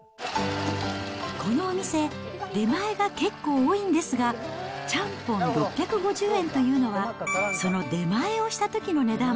このお店、出前が結構多いんですが、ちゃんぽん６５０円というのは、その出前をしたときの値段。